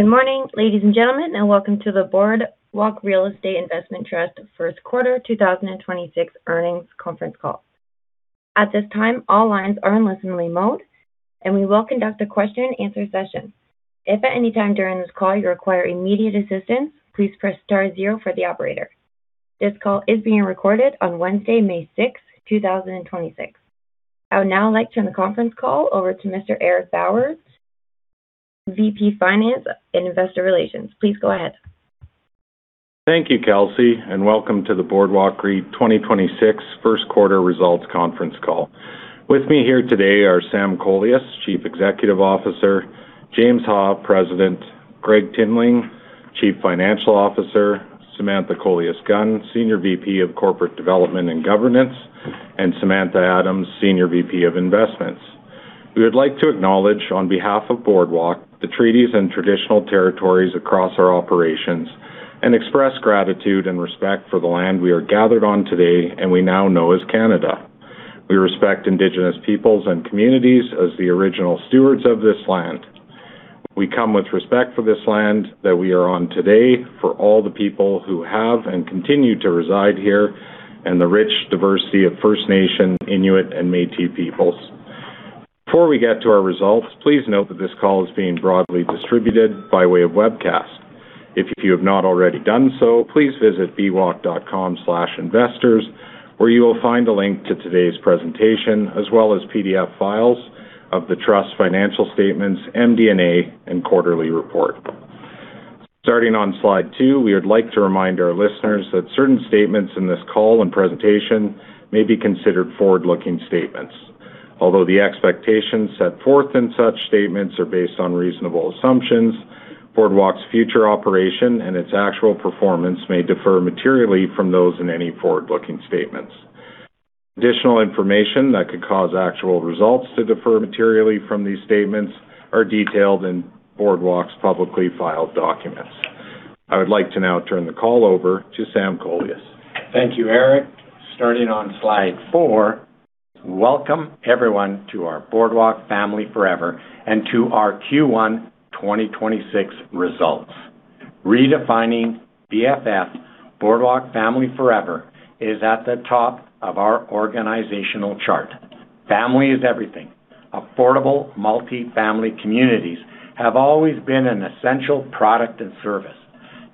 Good morning, ladies and gentlemen, and welcome to the Boardwalk Real Estate Investment Trust first quarter 2026 earnings conference call. At this time all lines are in listening mode and we will conduct a question and answer session. If at any time during this call you require immediate assistance, please press star zero for the operator. This call is being recorded on Wednesday, May 6, 2026. I would now like to turn the conference call over to Mr. Eric Bowers, VP Finance and Investor Relations. Please go ahead. Thank you, Kelsey, and welcome to the Boardwalk REIT 2026 first quarter results conference call. With me here today are Sam Kolias, Chief Executive Officer; James Ha, President; Gregg Tinling, Chief Financial Officer; Samantha Kolias-Gunn, Senior VP of Corporate Development and Governance; and Samantha Adams, Senior VP of Investments. We would like to acknowledge on behalf of Boardwalk the treaties and traditional territories across our operations and express gratitude and respect for the land we are gathered on today and we now know as Canada. We respect Indigenous peoples and communities as the original stewards of this land. We come with respect for this land that we are on today for all the people who have and continue to reside here and the rich diversity of First Nations, Inuit, and Métis peoples. Before we get to our results, please note that this call is being broadly distributed by way of webcast. If you have not already done so, please visit bwalk.com/investors, where you will find a link to today's presentation as well as PDF files of the trust financial statements, MD&A, and quarterly report. Starting on slide two, we would like to remind our listeners that certain statements in this call and presentation may be considered forward-looking statements. Although the expectations set forth in such statements are based on reasonable assumptions, Boardwalk's future operation and its actual performance may differ materially from those in any forward-looking statements. Additional information that could cause actual results to differ materially from these statements are detailed in Boardwalk's publicly filed documents. I would like to now turn the call over to Sam Kolias. Thank you, Eric. Starting on slide four, welcome everyone to our Boardwalk Family Forever and to our Q1 2026 results. Redefining BFF, Boardwalk Family Forever, is at the top of our organizational chart. Family is everything. Affordable multi-family communities have always been an essential product and service.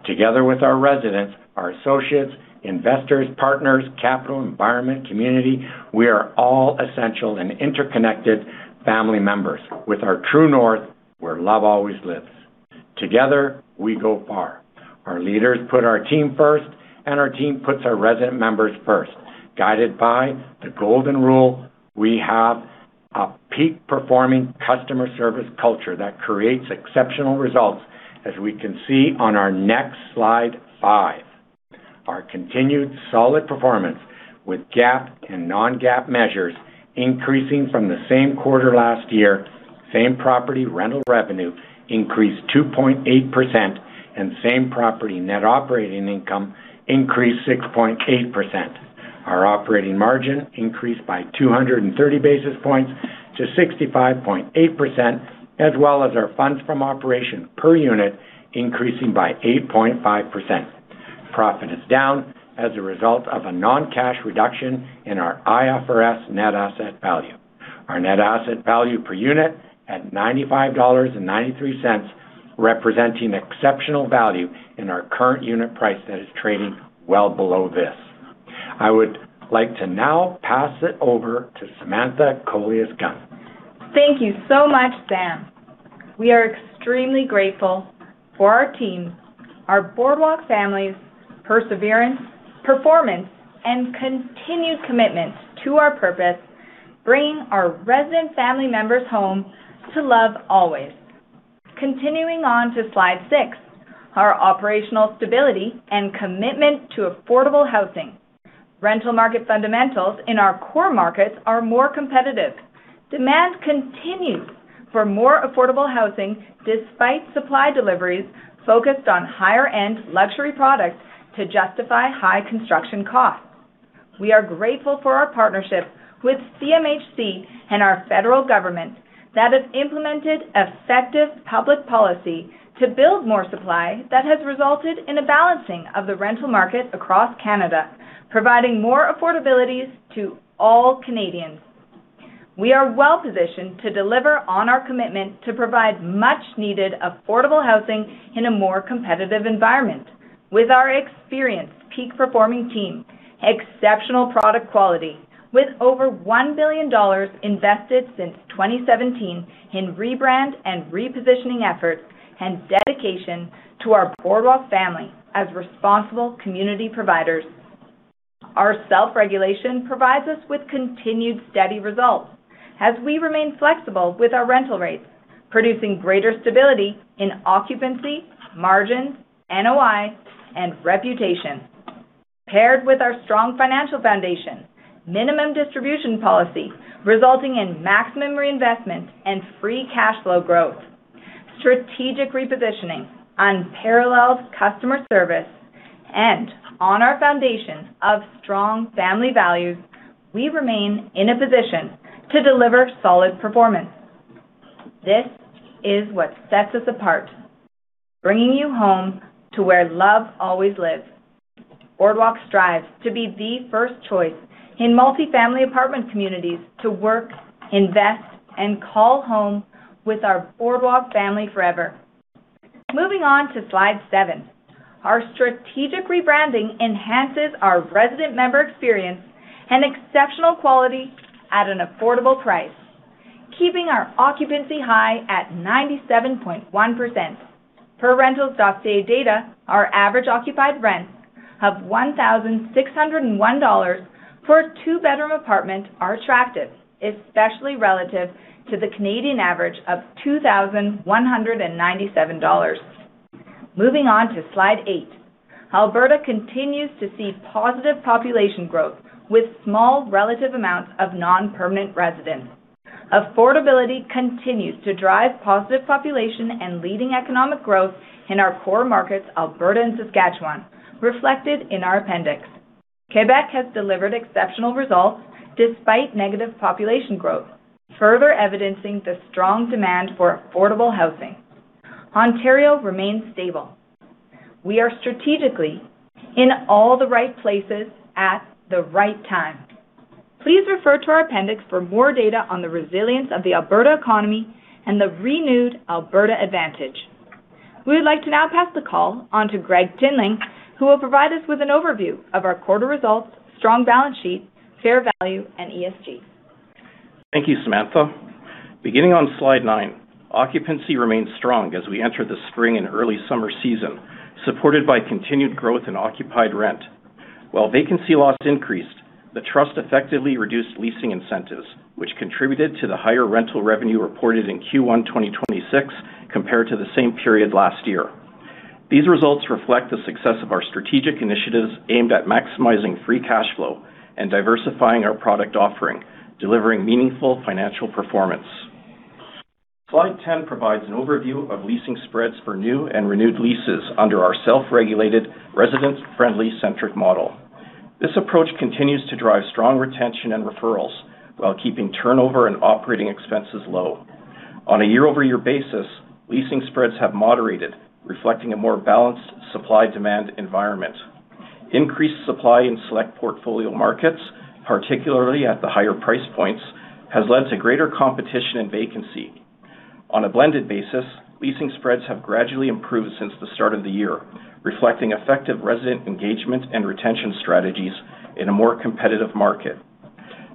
Together with our residents, our associates, investors, partners, capital, environment, community, we are all essential and interconnected family members with our true north where love always lives. Together we go far. Our leaders put our team first, and our team puts our resident members first. Guided by the golden rule, we have a peak performing customer service culture that creates exceptional results as we can see on our next slide five. Our continued solid performance with GAAP and non-GAAP measures increasing from the same quarter last year, same property rental revenue increased 2.8% and same property net operating income increased 6.8%. Our operating margin increased by 230 basis points to 65.8% as well as our funds from operation per unit increasing by 8.5%. Profit is down as a result of a non-cash reduction in our IFRS net asset value. Our net asset value per unit at 95.93 dollars representing exceptional value in our current unit price that is trading well below this. I would like to now pass it over to Samantha Kolias-Gunn. Thank you so much, Sam. We are extremely grateful for our team, our Boardwalk families' perseverance, performance, and continued commitment to our purpose, bringing our resident family members home to love always. Continuing on to slide six, our operational stability and commitment to affordable housing. Rental market fundamentals in our core markets are more competitive. Demand continues for more affordable housing despite supply deliveries focused on higher-end luxury products to justify high construction costs. We are grateful for our partnership with CMHC and our federal government that has implemented effective public policy to build more supply that has resulted in a balancing of the rental market across Canada, providing more affordabilities to all Canadians. We are well-positioned to deliver on our commitment to provide much-needed affordable housing in a more competitive environment with our experienced peak performing team, exceptional product quality with over 1 billion dollars invested since 2017 in rebrand and repositioning efforts and dedication to our Boardwalk Family as responsible community providers. Our self-regulation provides us with continued steady results as we remain flexible with our rental rates, producing greater stability in occupancy, margins, NOI, and reputation. Paired with our strong financial foundation, minimum distribution policy resulting in maximum reinvestment and free cash flow growth, strategic repositioning, unparalleled customer service. On our foundation of strong family values, we remain in a position to deliver solid performance. This is what sets us apart, bringing you home to where love always lives. Boardwalk strives to be the first choice in multifamily apartment communities to work, invest, and call home with our Boardwalk Family Forever. Moving on to slide seven, our strategic rebranding enhances our resident member experience and exceptional quality at an affordable price, keeping our occupancy high at 97.1%. Per Rentals.ca data, our average occupied rents of 1,601 dollars for a two-bedroom apartment are attractive, especially relative to the Canadian average of 2,197 dollars. Moving on to slide eight, Alberta continues to see positive population growth with small relative amounts of non-permanent residents. Affordability continues to drive positive population and leading economic growth in our core markets, Alberta and Saskatchewan, reflected in our appendix. Quebec has delivered exceptional results despite negative population growth, further evidencing the strong demand for affordable housing. Ontario remains stable. We are strategically in all the right places at the right time. Please refer to our appendix for more data on the resilience of the Alberta economy and the renewed Alberta advantage. We would like to now pass the call on to Gregg Tinling, who will provide us with an overview of our quarter results, strong balance sheet, fair value, and ESG. Thank you, Samantha. Beginning on slide nine, occupancy remains strong as we enter the spring and early summer season, supported by continued growth in occupied rent. While vacancy loss increased, the trust effectively reduced leasing incentives, which contributed to the higher rental revenue reported in Q1 2026 compared to the same period last year. These results reflect the success of our strategic initiatives aimed at maximizing free cash flow and diversifying our product offering, delivering meaningful financial performance. Slide 10 provides an overview of leasing spreads for new and renewed leases under our self-regulated, resident-friendly centric model. This approach continues to drive strong retention and referrals while keeping turnover and operating expenses low. On a year-over-year basis, leasing spreads have moderated, reflecting a more balanced supply-demand environment. Increased supply in select portfolio markets, particularly at the higher price points, has led to greater competition and vacancy. On a blended basis, leasing spreads have gradually improved since the start of the year, reflecting effective resident engagement and retention strategies in a more competitive market.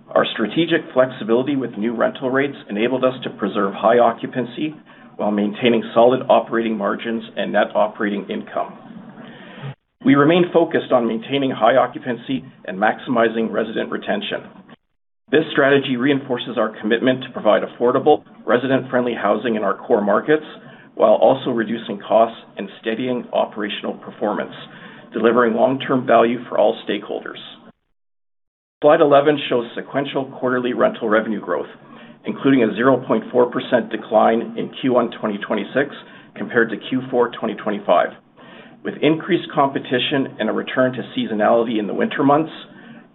Our strategic flexibility with new rental rates enabled us to preserve high occupancy while maintaining solid operating margins and net operating income. We remain focused on maintaining high occupancy and maximizing resident retention. This strategy reinforces our commitment to provide affordable, resident-friendly housing in our core markets while also reducing costs and steadying operational performance, delivering long-term value for all stakeholders. Slide 11 shows sequential quarterly rental revenue growth, including a 0.4% decline in Q1 2026 compared to Q4 2025. With increased competition and a return to seasonality in the winter months,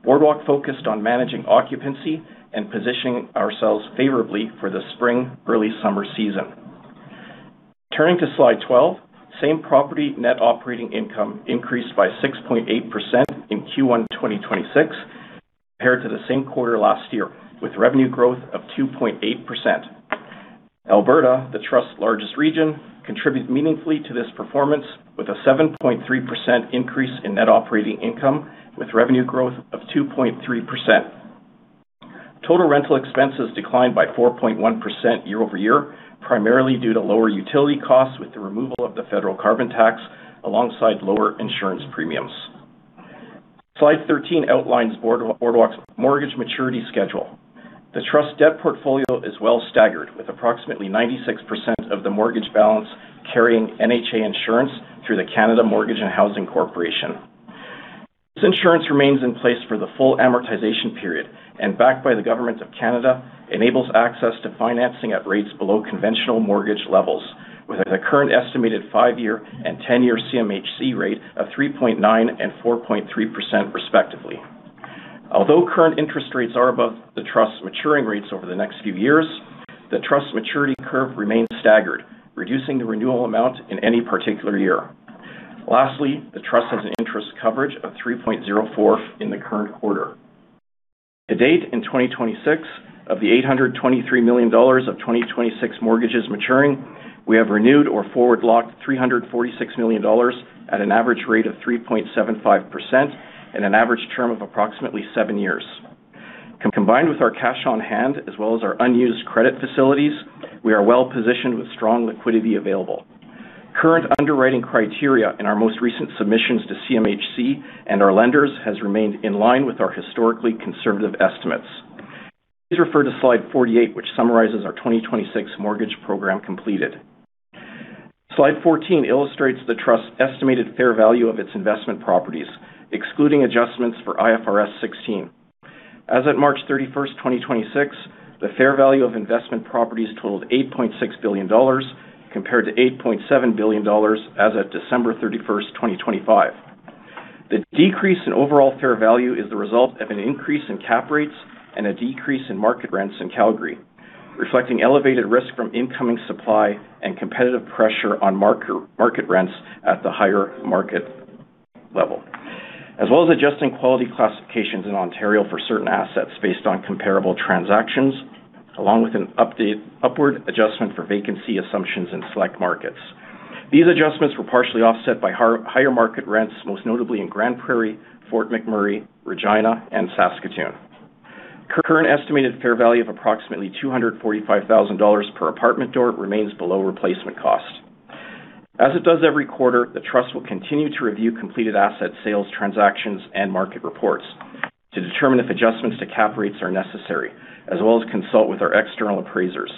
Boardwalk focused on managing occupancy and positioning ourselves favorably for the spring, early summer season. Turning to slide 12, same-property net operating income increased by 6.8% in Q1 2026 compared to the same quarter last year, with revenue growth of 2.8%. Alberta, the trust's largest region, contributes meaningfully to this performance with a 7.3% increase in net operating income with revenue growth of 2.3%. Total rental expenses declined by 4.1% year-over-year, primarily due to lower utility costs with the removal of the federal carbon tax alongside lower insurance premiums. Slide 13 outlines Boardwalk's mortgage maturity schedule. The trust debt portfolio is well staggered with approximately 96% of the mortgage balance carrying NHA insurance through the Canada Mortgage and Housing Corporation. This insurance remains in place for the full amortization period and, backed by the government of Canada, enables access to financing at rates below conventional mortgage levels with a current estimated five-year and 10-year CMHC rate of 3.9% and 4.3% respectively. Current interest rates are above the trust's maturing rates over the next few years, the trust's maturity curve remains staggered, reducing the renewal amount in any particular year. The trust has an interest coverage of 3.04 in the current quarter. To date in 2026, of the 823 million dollars of 2026 mortgages maturing, we have renewed or forward-locked 346 million dollars at an average rate of 3.75% and an average term of approximately seven years. Combined with our cash on hand as well as our unused credit facilities, we are well-positioned with strong liquidity available. Current underwriting criteria in our most recent submissions to CMHC and our lenders has remained in line with our historically conservative estimates. Please refer to slide 48, which summarizes our 2026 mortgage program completed. Slide 14 illustrates the trust's estimated fair value of its investment properties, excluding adjustments for IFRS 16. As of March 31st, 2026, the fair value of investment properties totaled 8.6 billion dollars compared to 8.7 billion dollars as of December 31st, 2025. The decrease in overall fair value is the result of an increase in cap rates and a decrease in market rents in Calgary, reflecting elevated risk from incoming supply and competitive pressure on market rents at the higher market level. Adjusting quality classifications in Ontario for certain assets based on comparable transactions, along with an upward adjustment for vacancy assumptions in select markets. These adjustments were partially offset by higher market rents, most notably in Grande Prairie, Fort McMurray, Regina, and Saskatoon. Current estimated fair value of approximately 245,000 dollars per apartment door remains below replacement cost. As it does every quarter, the trust will continue to review completed asset sales, transactions, and market reports to determine if adjustments to cap rates are necessary, as well as consult with our external appraisers.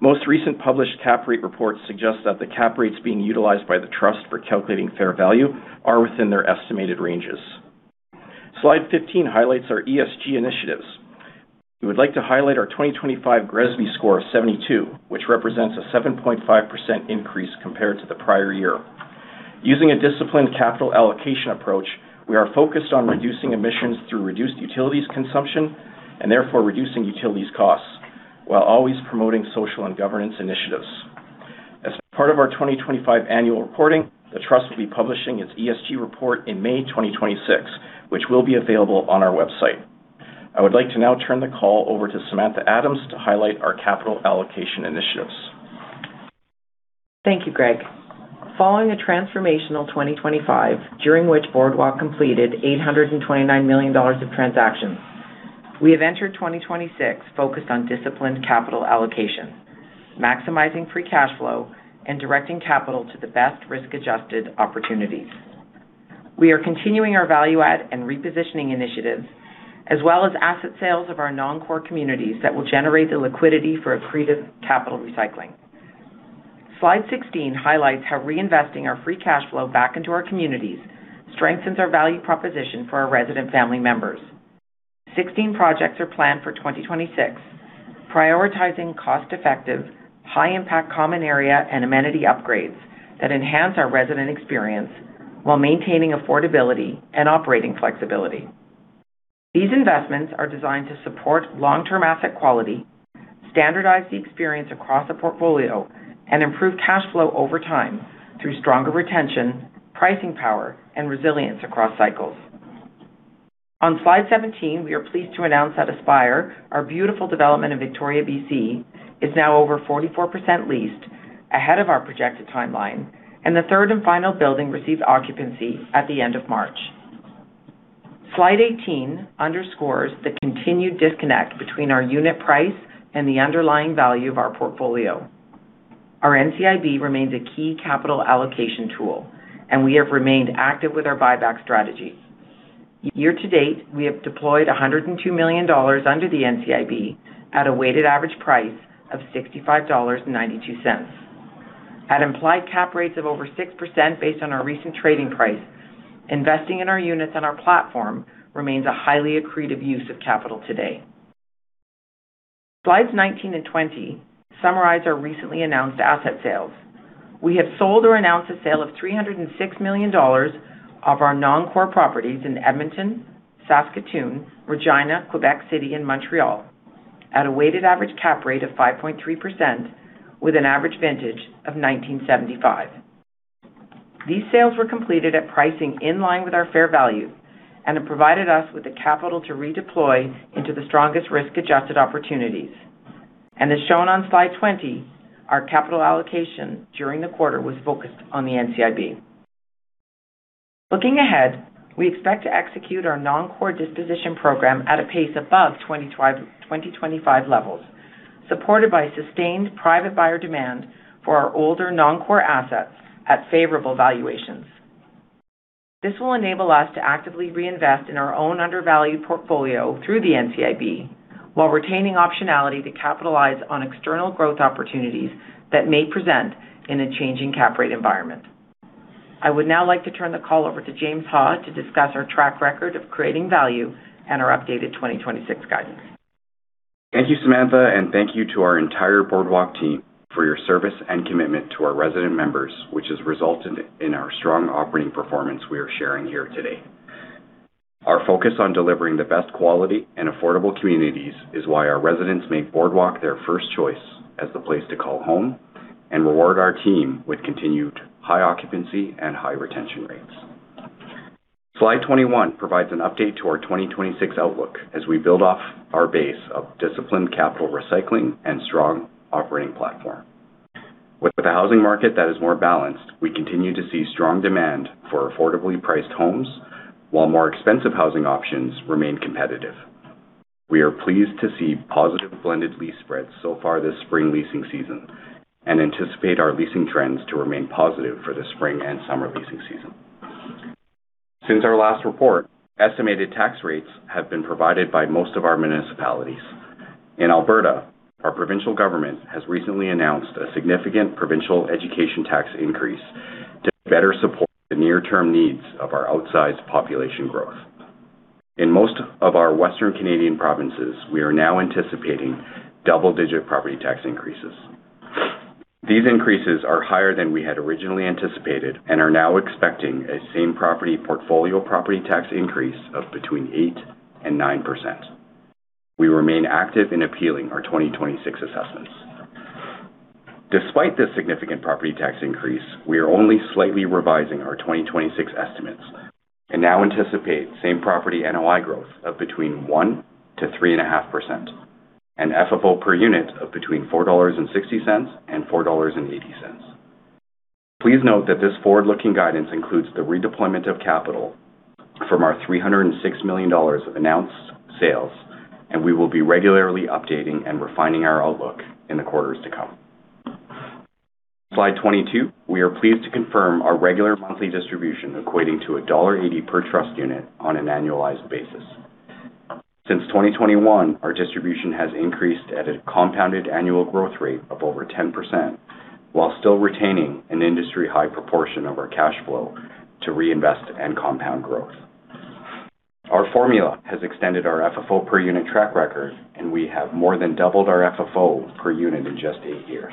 Most recent published cap rate reports suggest that the cap rates being utilized by the trust for calculating fair value are within their estimated ranges. Slide 15 highlights our ESG initiatives. We would like to highlight our 2025 GRESB score of 72, which represents a 7.5% increase compared to the prior year. Using a disciplined capital allocation approach, we are focused on reducing emissions through reduced utilities consumption, and therefore reducing utilities costs, while always promoting social and governance initiatives. As part of our 2025 annual reporting, the trust will be publishing its ESG report in May 2026, which will be available on our website. I would like to now turn the call over to Samantha Adams to highlight our capital allocation initiatives. Thank you, Gregg. Following a transformational 2025, during which Boardwalk completed 829 million dollars of transactions, we have entered 2026 focused on disciplined capital allocation, maximizing free cash flow and directing capital to the best risk-adjusted opportunities. We are continuing our value add and repositioning initiatives, as well as asset sales of our non-core communities that will generate the liquidity for accretive capital recycling. Slide 16 highlights how reinvesting our free cash flow back into our communities strengthens our value proposition for our resident family members. 16 projects are planned for 2026, prioritizing cost-effective, high-impact common area and amenity upgrades that enhance our resident experience while maintaining affordability and operating flexibility. These investments are designed to support long-term asset quality, standardize the experience across the portfolio, and improve cash flow over time through stronger retention, pricing power, and resilience across cycles. On slide 17, we are pleased to announce that Aspire, our beautiful development in Victoria, B.C., is now over 44% leased, ahead of our projected timeline, and the third and final building receives occupancy at the end of March. Slide 18 underscores the continued disconnect between our unit price and the underlying value of our portfolio. Our NCIB remains a key capital allocation tool, and we have remained active with our buyback strategy. Year to date, we have deployed 102 million dollars under the NCIB at a weighted average price of 65.92 dollars. At implied cap rates of over 6% based on our recent trading price, investing in our units on our platform remains a highly accretive use of capital today. Slides 19 and 20 summarize our recently announced asset sales. We have sold or announced a sale of 306 million dollars of our non-core properties in Edmonton, Saskatoon, Regina, Quebec City, and Montreal at a weighted average cap rate of 5.3% with an average vintage of 1975. These sales were completed at pricing in line with our fair value and have provided us with the capital to redeploy into the strongest risk-adjusted opportunities. As shown on slide 20, our capital allocation during the quarter was focused on the NCIB. Looking ahead, we expect to execute our non-core disposition program at a pace above 2025 levels, supported by sustained private buyer demand for our older non-core assets at favorable valuations. This will enable us to actively reinvest in our own undervalued portfolio through the NCIB while retaining optionality to capitalize on external growth opportunities that may present in a changing cap rate environment. I would now like to turn the call over to James Ha to discuss our track record of creating value and our updated 2026 guidance. Thank you, Samantha, and thank you to our entire Boardwalk team for your service and commitment to our resident members, which has resulted in our strong operating performance we are sharing here today. Our focus on delivering the best quality and affordable communities is why our residents make Boardwalk their first choice as the place to call home and reward our team with continued high occupancy and high retention rates. Slide 21 provides an update to our 2026 outlook as we build off our base of disciplined capital recycling and strong operating platform. With the housing market that is more balanced, we continue to see strong demand for affordably priced homes, while more expensive housing options remain competitive. We are pleased to see positive blended lease spreads so far this spring leasing season and anticipate our leasing trends to remain positive for the spring and summer leasing season. Since our last report, estimated tax rates have been provided by most of our municipalities. In Alberta, our provincial government has recently announced a significant provincial education tax increase to better support the near-term needs of our outsized population growth. In most of our Western Canadian provinces, we are now anticipating double-digit property tax increases. These increases are higher than we had originally anticipated and are now expecting a same property portfolio property tax increase of between 8% and 9%. We remain active in appealing our 2026 assessments. Despite this significant property tax increase, we are only slightly revising our 2026 estimates and now anticipate same property NOI growth of between 1%-3.5% and FFO per unit of between 4.60 dollars and 4.80 dollars. Please note that this forward-looking guidance includes the redeployment of capital from our 306 million dollars of announced sales. We will be regularly updating and refining our outlook in the quarters to come. Slide 22, we are pleased to confirm our regular monthly distribution equating to dollar 1.80 per trust unit on an annualized basis. Since 2021, our distribution has increased at a compounded annual growth rate of over 10%, while still retaining an industry high proportion of our cash flow to reinvest and compound growth. Our formula has extended our FFO per unit track record. We have more than doubled our FFO per unit in just eight years.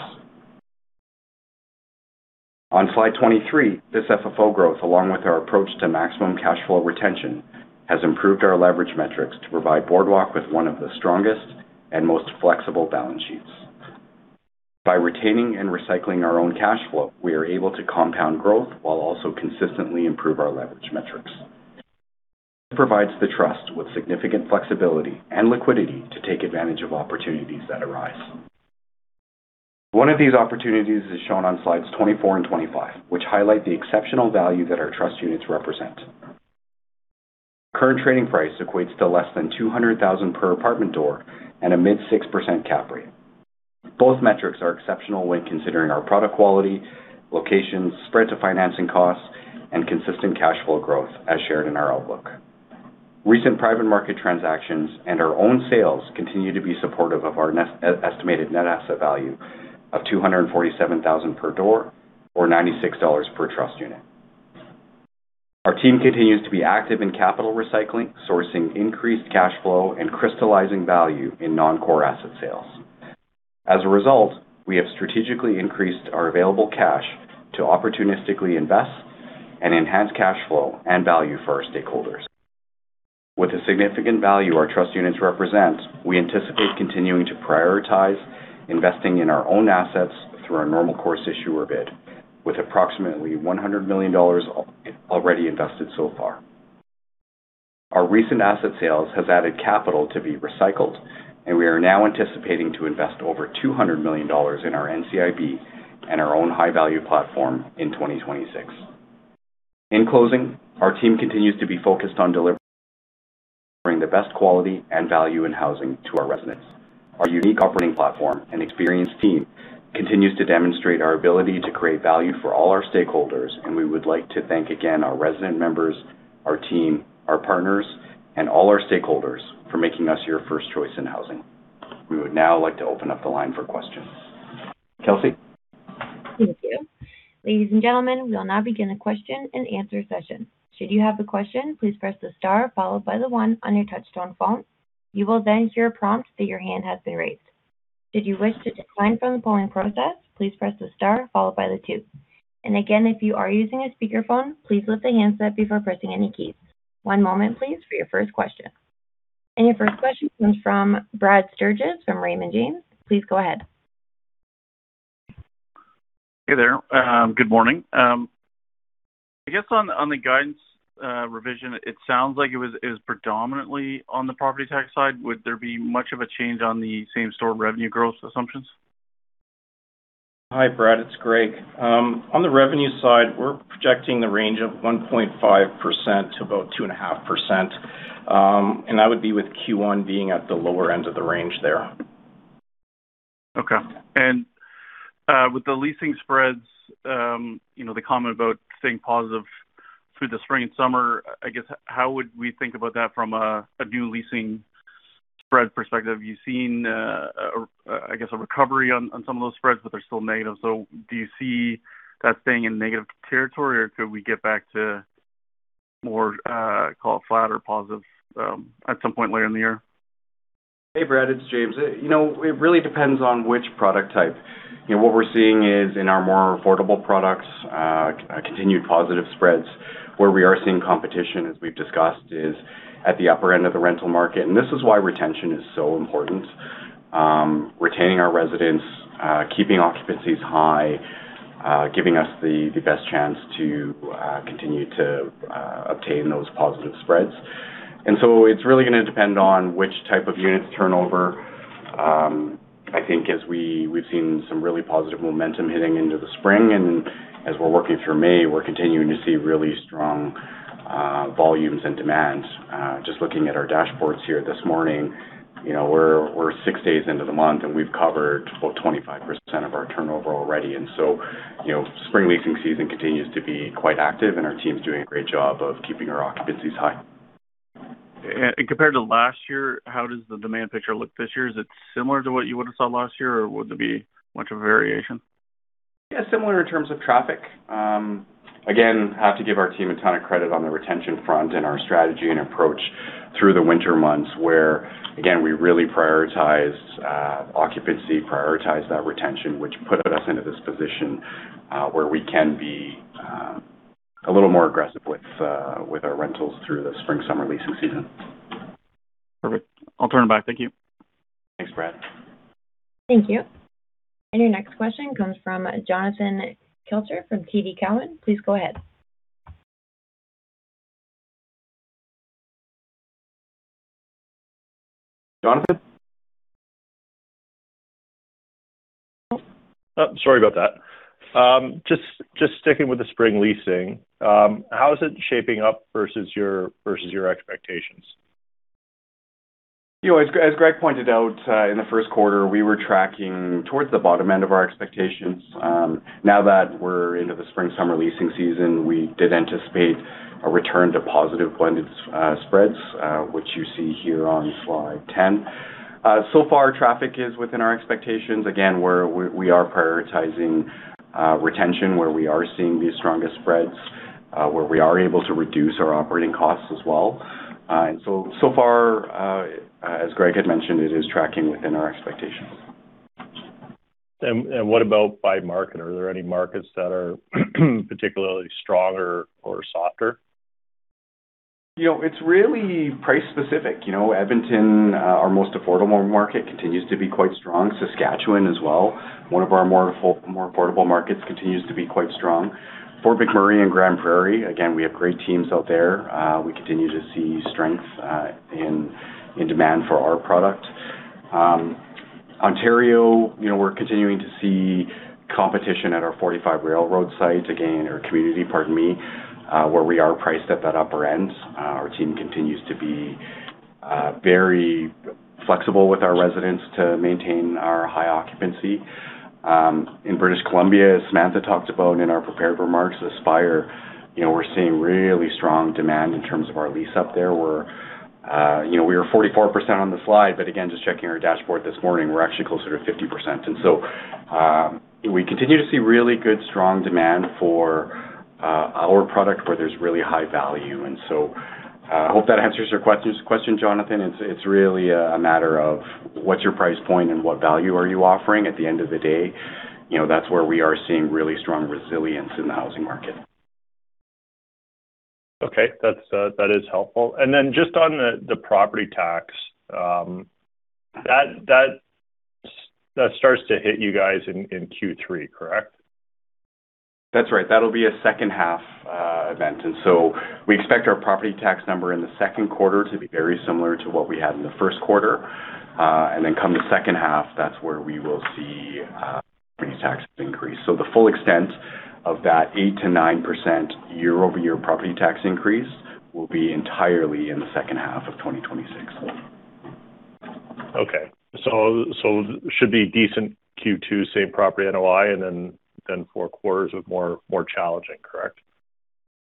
On slide 23, this FFO growth, along with our approach to maximum cash flow retention, has improved our leverage metrics to provide Boardwalk with one of the strongest and most flexible balance sheets. By retaining and recycling our own cash flow, we are able to compound growth while also consistently improve our leverage metrics. It provides the trust with significant flexibility and liquidity to take advantage of opportunities that arise. One of these opportunities is shown on slides 24 and 25, which highlight the exceptional value that our trust units represent. Current trading price equates to less than 200,000 per apartment door and a mid 6% cap rate. Both metrics are exceptional when considering our product quality, locations, spread to financing costs, and consistent cash flow growth as shared in our outlook. Recent private market transactions and our own sales continue to be supportive of our estimated net asset value of 247,000 per door or 96 dollars per trust unit. Our team continues to be active in capital recycling, sourcing increased cash flow, and crystallizing value in non-core asset sales. As a result, we have strategically increased our available cash to opportunistically invest and enhance cash flow and value for our stakeholders. With the significant value our trust units represent, we anticipate continuing to prioritize investing in our own assets through our normal course issuer bid with approximately 100 million dollars already invested so far. Our recent asset sales has added capital to be recycled, and we are now anticipating to invest over 200 million dollars in our NCIB and our own high-value platform in 2026. In closing, our team continues to be focused on delivering the best quality and value in housing to our residents. Our unique operating platform and experienced team continues to demonstrate our ability to create value for all our stakeholders. We would like to thank again our resident members, our team, our partners, and all our stakeholders for making us your first choice in housing. We would now like to open up the line for questions. Kelsey? Thank you. Ladies and gentlemen, we will now begin a question and answer session. Should you have a question, please press the star followed by the one on your touch-tone phone. You will then hear a prompt that your hand has been raised. Should you wish to decline from the polling process, please press the star followed by the two. Again, if you are using a speakerphone, please lift the handset before pressing any keys. One moment, please, for your first question. Your first question comes from Brad Sturges from Raymond James. Please go ahead. Hey there. Good morning. I guess on the guidance revision, it sounds like it was predominantly on the property tax side. Would there be much of a change on the same-store revenue growth assumptions? Hi, Brad. It's Gregg. On the revenue side, we're projecting the range of 1.5% to about 2.5%. That would be with Q1 being at the lower end of the range there. Okay. With the leasing spreads, you know, the comment about staying positive through the spring and summer, I guess, how would we think about that from a new leasing spread perspective? You've seen, I guess, a recovery on some of those spreads, but they're still negative. Do you see that staying in negative territory, or could we get back to more, call it flat or positive, at some point later in the year? Hey, Brad, it's James. You know, it really depends on which product type. You know, what we're seeing is in our more affordable products, continued positive spreads. Where we are seeing competition, as we've discussed, is at the upper end of the rental market, and this is why retention is so important. Retaining our residents, keeping occupancies high, giving us the best chance to continue to obtain those positive spreads. It's really gonna depend on which type of units turnover. I think as we've seen some really positive momentum hitting into the spring, and as we're working through May, we're continuing to see really strong volumes and demand. Just looking at our dashboards here this morning, you know, we're six days into the month, and we've covered about 25% of our turnover already. You know, spring leasing season continues to be quite active, and our team's doing a great job of keeping our occupancies high. Compared to last year, how does the demand picture look this year? Is it similar to what you would have seen last year, or would there be much of a variation? Similar in terms of traffic. Again, have to give our team a ton of credit on the retention front and our strategy and approach through the winter months where, again, we really prioritized occupancy, prioritized that retention, which put us into this position where we can be a little more aggressive with our rentals through the spring-summer leasing season. Perfect. I'll turn it back. Thank you. Thanks, Brad. Thank you. Your next question comes from Jonathan Kelcher from TD Cowen. Please go ahead. Jonathan? Oh. Sorry about that. Just sticking with the spring leasing, how is it shaping up versus your expectations? You know, as Gregg pointed out, in the first quarter, we were tracking towards the bottom end of our expectations. Now that we're into the spring-summer leasing season, we did anticipate a return to positive blended spreads, which you see here on slide 10. So far, traffic is within our expectations. Again, we are prioritizing retention, where we are seeing the strongest spreads, where we are able to reduce our operating costs as well. So far, as Gregg had mentioned, it is tracking within our expectations. What about by market? Are there any markets that are particularly stronger or softer? You know, it's really price specific. You know, Edmonton, our most affordable market, continues to be quite strong. Saskatchewan as well, one of our more affordable markets, continues to be quite strong. Fort McMurray and Grande Prairie, again, we have great teams out there. We continue to see strength in demand for our product. Ontario, you know, we're continuing to see competition at our 45 Railroad sites again, or community, pardon me, where we are priced at that upper end. Our team continues to be very flexible with our residents to maintain our high occupancy. In British Columbia, as Samantha talked about in our prepared remarks, Aspire, you know, we're seeing really strong demand in terms of our lease up there, where, you know, we were 44% on the slide, but again, just checking our dashboard this morning, we're actually closer to 50%. We continue to see really good, strong demand for our product where there's really high value. I hope that answers your question, Jonathan. It's really a matter of what's your price point and what value are you offering at the end of the day. You know, that's where we are seeing really strong resilience in the housing market. Okay. That's, that is helpful. Just on the property tax, that starts to hit you guys in Q3, correct? That's right. That'll be a second half event. We expect our property tax number in the second quarter to be very similar to what we had in the first quarter. Come the second half, that's where we will see property taxes increase. The full extent of that 8%-9% year-over-year property tax increase will be entirely in the second half of 2026. Okay. should be decent Q2, same property NOI, and then four quarters of more challenging, correct?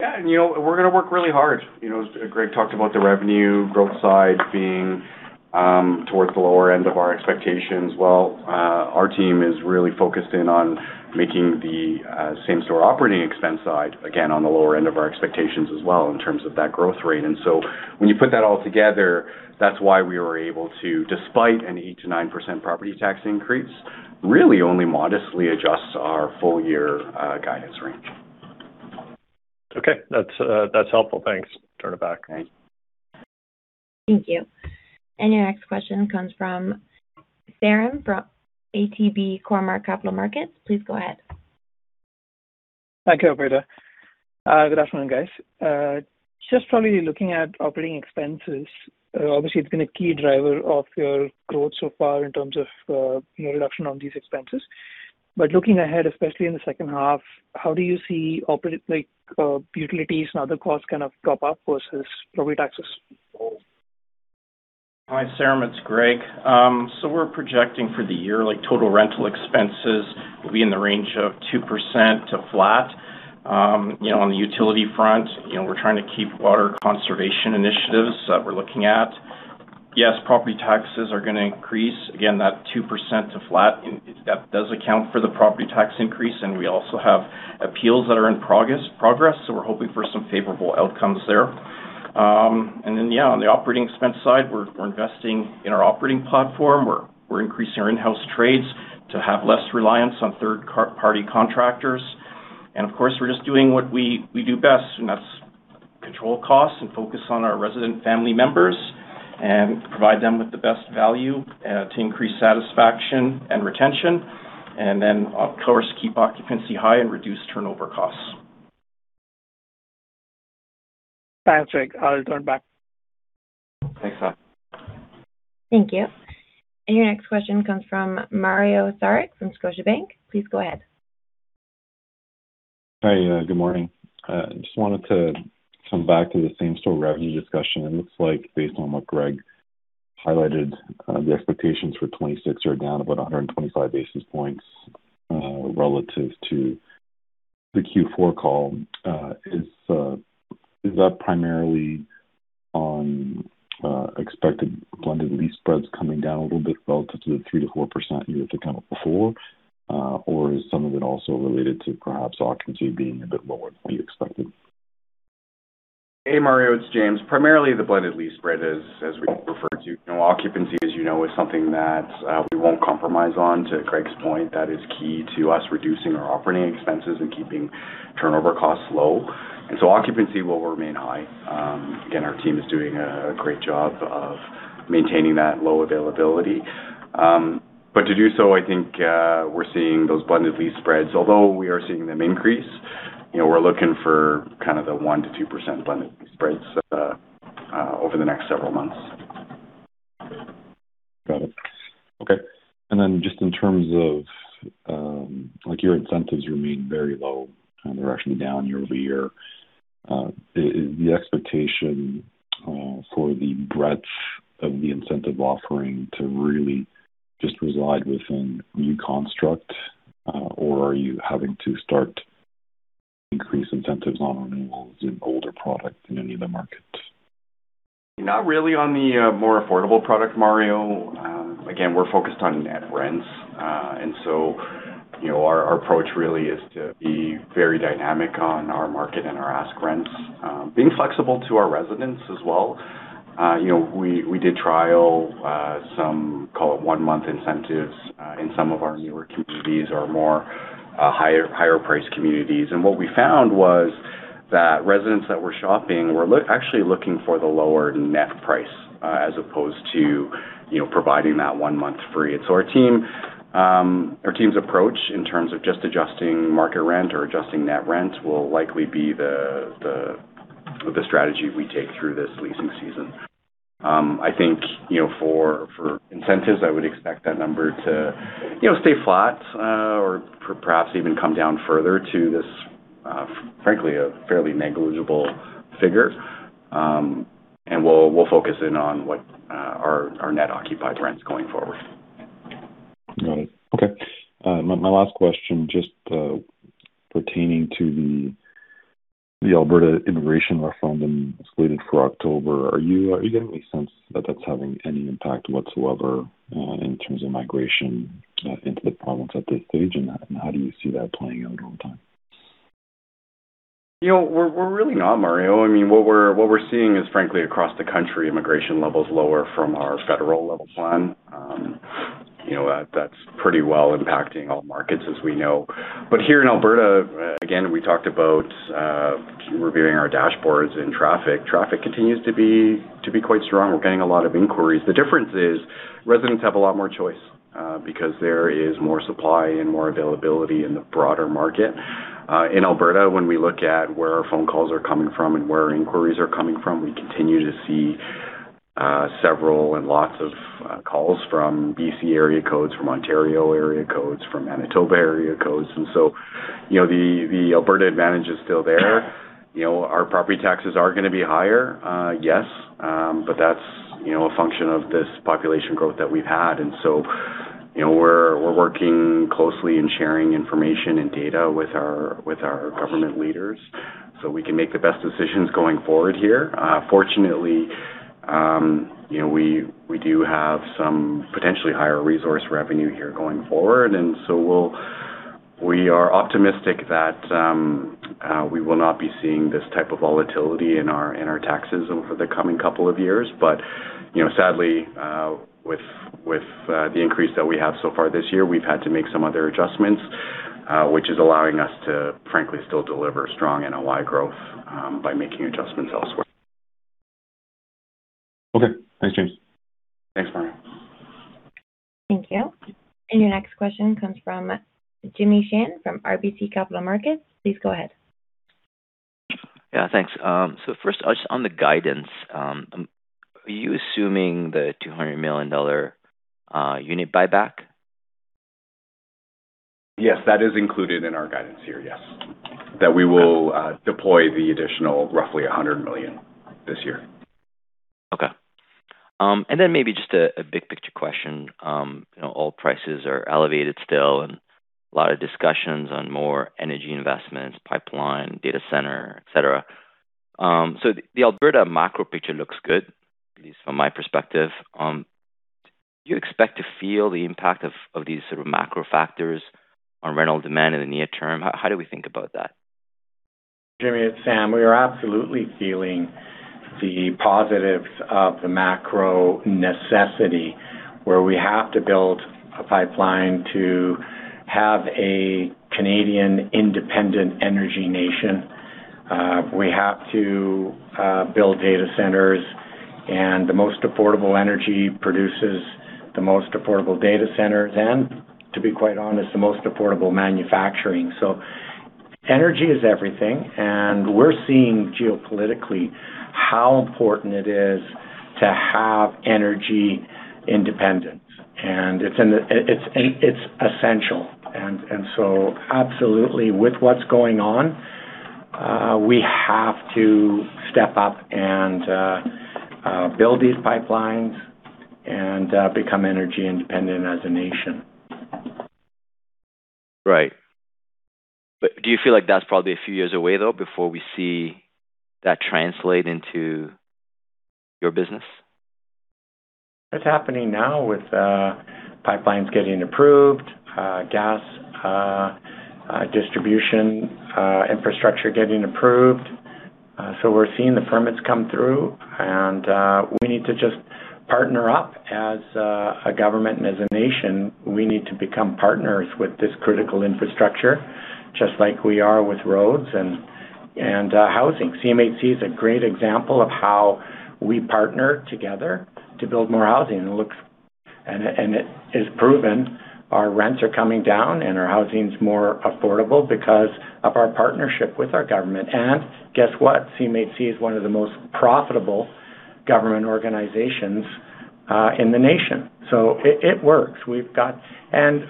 Yeah. You know, we're gonna work really hard. You know, as Gregg talked about the revenue growth side being towards the lower end of our expectations. Well, our team is really focused in on making the same-store operating expense side again on the lower end of our expectations as well in terms of that growth rate. When you put that all together, that's why we were able to, despite an 8%-9% property tax increase, really only modestly adjust our full year guidance range. Okay. That's, that's helpful. Thanks. Turn it back. Great. Thank you. Your next question comes from Sairam from ATB Cormark Capital Markets. Please go ahead. Thank you, operator. Good afternoon, guys. Just probably looking at operating expenses, obviously it's been a key driver of your growth so far in terms of, you know, reduction on these expenses. Looking ahead, especially in the second half, how do you see utilities and other costs kind of drop off versus property taxes? Hi, Sairam, it's Gregg. We're projecting for the year, like, total rental expenses will be in the range of 2% to flat. You know, on the utility front, you know, we're trying to keep water conservation initiatives that we're looking at. Yes, property taxes are gonna increase. Again, that 2% to flat that does account for the property tax increase, and we also have appeals that are in progress, so we're hoping for some favorable outcomes there. And then, yeah, on the operating expense side, we're investing in our operating platform. We're increasing our in-house trades to have less reliance on third-party contractors. Of course, we're just doing what we do best, and that's control costs and focus on our resident family members and provide them with the best value to increase satisfaction and retention, and then of course, keep occupancy high and reduce turnover costs. Thanks, Gregg. I'll turn it back. Thanks, Sairam. Thank you. Your next question comes from Mario Saric from Scotiabank. Please go ahead. Hi. Good morning. Just wanted to come back to the same-store revenue discussion. It looks like based on what Gregg highlighted, the expectations for 2026 are down about 125 basis points, relative to the Q4 call. Is that primarily on expected blended lease spreads coming down a little bit relative to the 3%-4% you had to count before? Is some of it also related to perhaps occupancy being a bit lower than you expected? Hey, Mario, it's James. Primarily, the blended lease spread as we referred to. You know, occupancy, as you know, is something that we won't compromise on to Gregg's point. That is key to us reducing our operating expenses and keeping turnover costs low. Occupancy will remain high. Again, our team is doing a great job of maintaining that low availability. To do so, I think, we're seeing those blended lease spreads. Although we are seeing them increase, you know, we're looking for kind of the 1%-2% blended lease spreads over the next several months. Got it. Okay. Then just in terms of, like your incentives remain very low, and they're actually down year-over-year. Is the expectation for the breadth of the incentive offering to really just reside within new construct, or are you having to start increase incentives on renewals in older products in any of the markets? Not really on the more affordable product, Mario. Again, we're focused on net rents. You know, our approach really is to be very dynamic on our market and our ask rents, being flexible to our residents as well. You know, we did trial some call it one-month incentives in some of our newer communities or more higher priced communities. What we found was that residents that were shopping were actually looking for the lower net price, as opposed to, you know, providing that one month free. Our team, our team's approach in terms of just adjusting market rent or adjusting net rent will likely be the strategy we take through this leasing season. I think, you know, for incentives, I would expect that number to, you know, stay flat, or perhaps even come down further to this, frankly, a fairly negligible figure. We'll focus in on what our net occupied rents going forward. Got it. Okay. My last question just pertaining to the Alberta immigration referendum slated for October. Are you getting any sense that that's having any impact whatsoever in terms of migration into the province at this stage? How do you see that playing out over time? You know, we're really not, Mario. I mean, what we're seeing is, frankly, across the country, immigration levels lower from our federal level plan. You know, that's pretty well impacting all markets as we know. Here in Alberta, again, we talked about reviewing our dashboards and traffic. Traffic continues to be quite strong. We're getting a lot of inquiries. The difference is residents have a lot more choice because there is more supply and more availability in the broader market. In Alberta, when we look at where our phone calls are coming from and where inquiries are coming from, we continue to see several and lots of calls from B.C. area codes, from Ontario area codes, from Manitoba area codes. You know, the Alberta advantage is still there. You know, our property taxes are going to be higher, yes, but that's, you know, a function of this population growth that we've had. You know, we're working closely and sharing information and data with our, with our government leaders so we can make the best decisions going forward here. Fortunately, you know, we do have some potentially higher resource revenue here going forward, and so we are optimistic that we will not be seeing this type of volatility in our, in our taxes over the coming couple of years. Sadly, with the increase that we have so far this year, we've had to make some other adjustments, which is allowing us to frankly still deliver strong NOI growth by making adjustments elsewhere. Okay. Thanks, James. Thanks, Mario. Thank you. Your next question comes from Jimmy Shan from RBC Capital Markets. Please go ahead. Yeah, thanks. First, just on the guidance, are you assuming the 200 million dollar unit buyback? Yes. That is included in our guidance here, yes. We will deploy the additional roughly 100 million this year. Okay. Then maybe just a big picture question. You know, oil prices are elevated still and a lot of discussions on more energy investments, pipeline, data center, et cetera. The Alberta macro picture looks good, at least from my perspective. Do you expect to feel the impact of these sort of macro factors on rental demand in the near term? How do we think about that? Jimmy, it's Sam. We are absolutely feeling the positives of the macro necessity, where we have to build a pipeline to have a Canadian independent energy nation. We have to build data centers, and the most affordable energy produces the most affordable data centers and, to be quite honest, the most affordable manufacturing. Energy is everything, and we're seeing geopolitically how important it is to have energy independence. It's essential. Absolutely with what's going on. We have to step up and build these pipelines and become energy independent as a nation. Right. Do you feel like that's probably a few years away, though, before we see that translate into your business? It's happening now with pipelines getting approved, gas distribution infrastructure getting approved. We're seeing the permits come through, and we need to just partner up as a government and as a nation. We need to become partners with this critical infrastructure, just like we are with roads and housing. CMHC is a great example of how we partner together to build more housing. It is proven our rents are coming down and our housing's more affordable because of our partnership with our government. Guess what? CMHC is one of the most profitable government organizations in the nation. It works.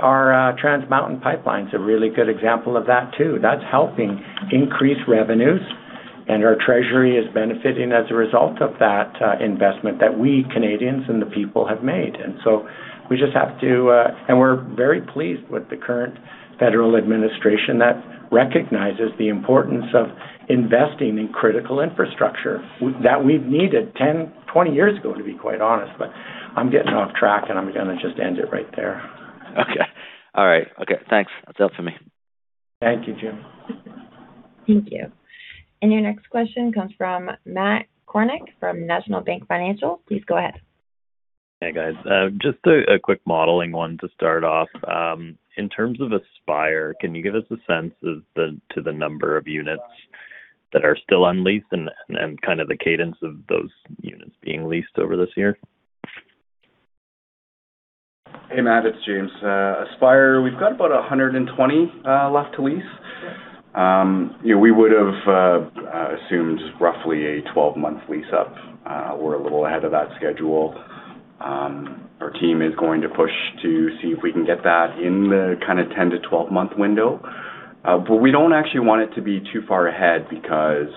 Our Trans Mountain pipeline's a really good example of that too. That's helping increase revenues, and our treasury is benefiting as a result of that, investment that we Canadians and the people have made. We just have to. We're very pleased with the current federal administration that recognizes the importance of investing in critical infrastructure that we've needed 10-20 years ago, to be quite honest. I'm getting off track, and I'm gonna just end it right there. Okay. All right. Okay, thanks. That's all for me. Thank you, Jim. Thank you. Your next question comes from Matt Kornack from National Bank Financial. Please go ahead. Hey, guys. Just a quick modeling one to start off. In terms of Aspire, can you give us a sense of the number of units that are still on lease and kind of the cadence of those units being leased over this year? Hey, Matt, it's James. Aspire, we've got about 120 left to lease. You know, we would've assumed roughly a 12-month lease up. We're a little ahead of that schedule. Our team is going to push to see if we can get that in the kinda 10-12 month window. We don't actually want it to be too far ahead because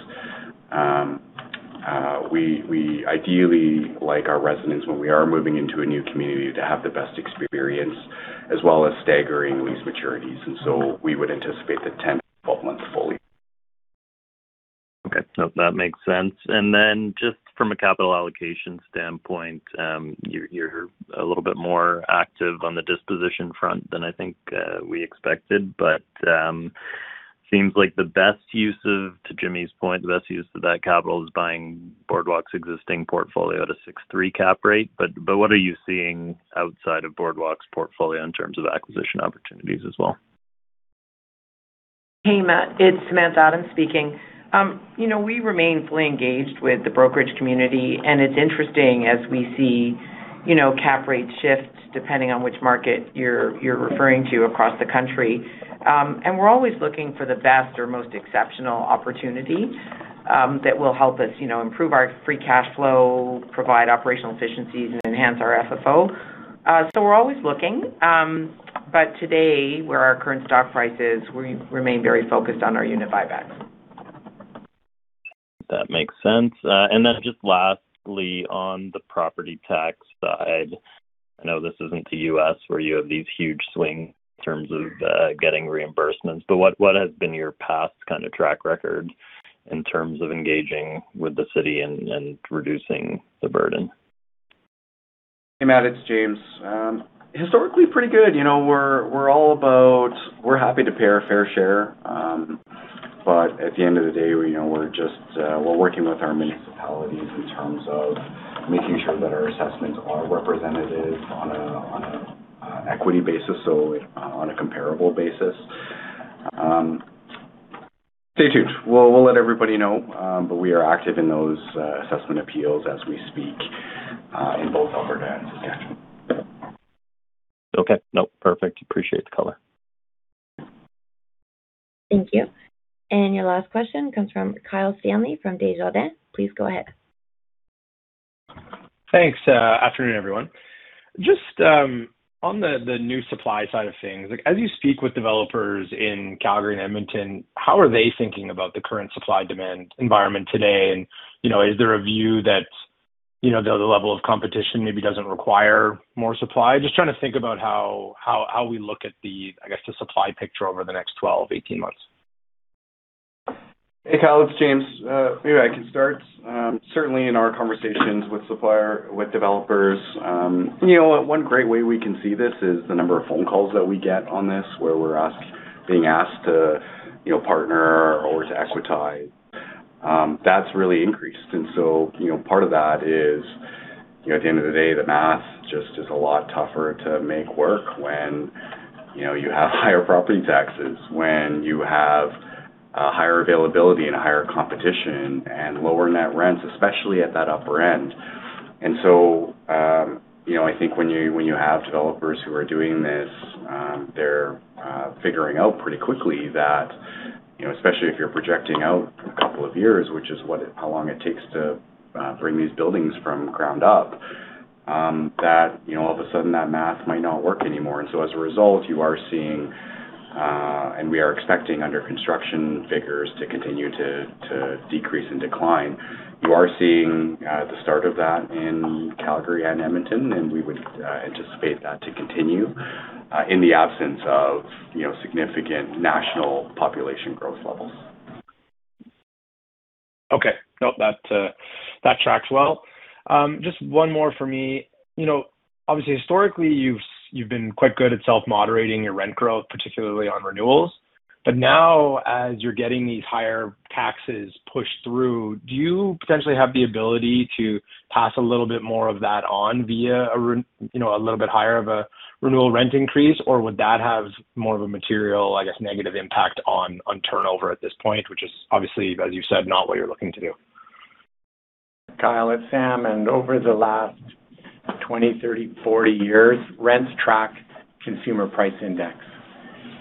we ideally like our residents, when we are moving into a new community, to have the best experience, as well as staggering lease maturities. We would anticipate the 10-12 months fully. Okay. No, that makes sense. Then just from a capital allocation standpoint, you're a little bit more active on the disposition front than I think we expected. Seems like the best use of, to Jimmy's point, the best use of that capital is buying Boardwalk's existing portfolio at a 6.3% cap rate. What are you seeing outside of Boardwalk's portfolio in terms of acquisition opportunities as well? Hey, Matt, it's Samantha Adams speaking. You know, we remain fully engaged with the brokerage community, and it's interesting as we see, you know, cap rate shifts depending on which market you're referring to across the country. We're always looking for the best or most exceptional opportunity that will help us, you know, improve our free cash flow, provide operational efficiencies, and enhance our FFO. We're always looking. Today, where our current stock price is, we remain very focused on our unit buybacks. That makes sense. Just lastly, on the property tax side, I know this isn't the U.S. where you have these huge swings in terms of getting reimbursements, what has been your past kind of track record in terms of engaging with the city and reducing the burden? Hey, Matt, it's James. Historically pretty good. You know, we're happy to pay our fair share. At the end of the day, you know, we're just, we're working with our municipalities in terms of making sure that our assessments are representative on a, on a equity basis, so on a comparable basis. Stay tuned. We'll let everybody know, we are active in those assessment appeals as we speak, in both Alberta and Saskatchewan. Okay. Nope, perfect. Appreciate the color. Thank you. Your last question comes from Kyle Stanley from Desjardins. Please go ahead. Thanks. Afternoon, everyone. Just on the new supply side of things, like, as you speak with developers in Calgary and Edmonton, how are they thinking about the current supply-demand environment today? You know, is there a view that, you know, the level of competition maybe doesn't require more supply? Just trying to think about how we look at the, I guess, the supply picture over the next 12-18 months. Hey, Kyle, it's James. Maybe I can start. Certainly in our conversations with supplier, with developers, you know, one great way we can see this is the number of phone calls that we get on this, where being asked to, you know, partner or to equitize. That's really increased. Part of that is, you know, at the end of the day, the math just is a lot tougher to make work when, you know, you have higher property taxes, when you have a higher availability and a higher competition and lower net rents, especially at that upper end. I think when you have developers who are doing this, they're figuring out pretty quickly that especially if you're projecting out a couple of years, which is how long it takes to bring these buildings from ground up, all of a sudden that math might not work anymore. As a result, you are seeing, and we are expecting under construction figures to continue to decrease and decline. You are seeing the start of that in Calgary and Edmonton, and we would anticipate that to continue in the absence of significant national population growth levels. Okay. Nope, that tracks well. Just one more for me. You know, obviously, historically, you've been quite good at self-moderating your rent growth, particularly on renewals. Now, as you're getting these higher taxes pushed through, do you potentially have the ability to pass a little bit more of that on via a little bit higher of a renewal rent increase, or would that have more of a material, I guess, negative impact on turnover at this point, which is obviously, as you said, not what you're looking to do? Kyle, it's Sam. Over the last 20, 30, 40 years, rents track Consumer Price Index.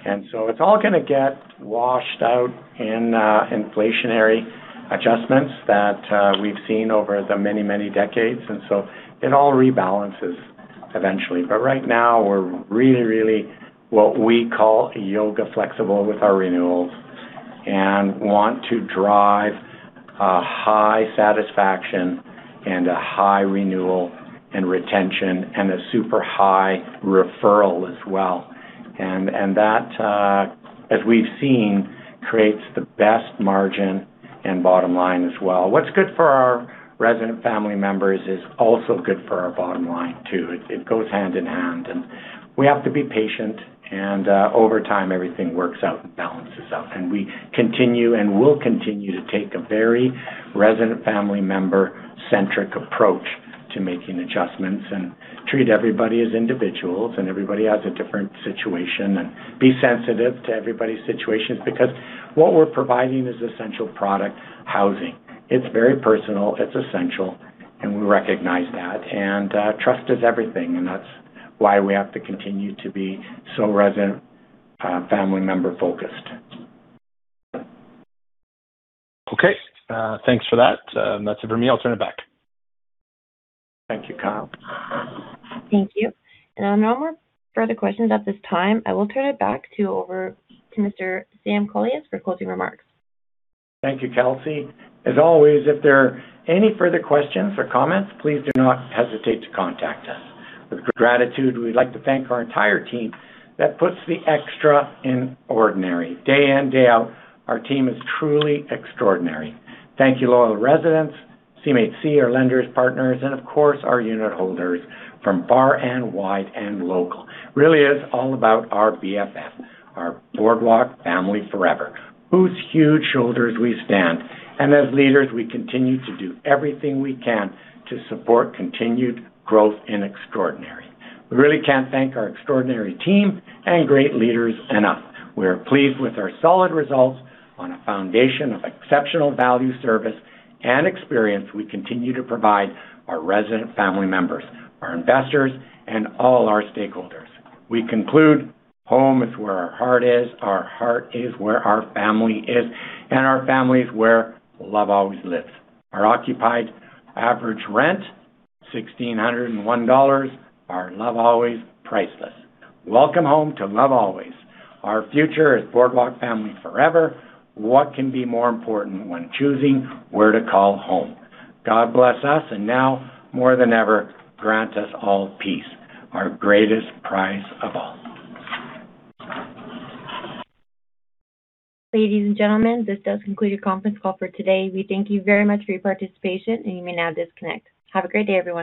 It's all going to get washed out in inflationary adjustments that we've seen over the many, many decades. It all rebalances eventually. Right now, we're really, really what we call yoga flexible with our renewals and want to drive a high satisfaction and a high renewal and retention and a super high referral as well. That, as we've seen, creates the best margin and bottom line as well. What's good for our resident family members is also good for our bottom line too. It goes hand in hand, and we have to be patient, and over time, everything works out and balances out. We continue and will continue to take a very resident family member-centric approach to making adjustments and treat everybody as individuals, and everybody has a different situation, and be sensitive to everybody's situations. Because what we're providing is essential product housing. It's very personal, it's essential, and we recognize that. Trust is everything, and that's why we have to continue to be so resident, family member-focused. Okay. Thanks for that. That's it for me. I'll turn it back. Thank you, Kyle. Thank you. There are no more further questions at this time. I will turn it back to over to Mr. Sam Kolias for closing remarks. Thank you, Kelsey. As always, if there are any further questions or comments, please do not hesitate to contact us. With gratitude, we'd like to thank our entire team that puts the extra in ordinary. Day in, day out, our team is truly extraordinary. Thank you, loyal residents, CMHC, our lenders, partners, and of course, our unit holders from far and wide and local. Really is all about our BFF, our Boardwalk Family Forever, whose huge shoulders we stand. As leaders, we continue to do everything we can to support continued growth in extraordinary. We really can't thank our extraordinary team and great leaders enough. We are pleased with our solid results. On a foundation of exceptional value, service, and experience, we continue to provide our resident family members, our investors, and all our stakeholders. We conclude home is where our heart is, our heart is where our family is, and our family is where love always lives. Our occupied average rent, 1,601 dollars. Our love always, priceless. Welcome home to love always. Our future is Boardwalk Family Forever. What can be more important when choosing where to call home? God bless us, and now more than ever, grant us all peace, our greatest prize of all. Ladies and gentlemen, this does conclude your conference call for today. We thank you very much for your participation, and you may now disconnect. Have a great day, everyone.